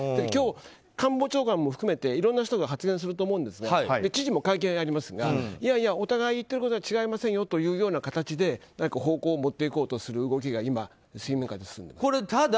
今日、官房長官も含めていろんな人が発言すると思うんですが知事も会見をやりますがいやいや、お互い言ってることは違いませんよという形で方向を持っていこうとする動きが今、水面下で進んでいます。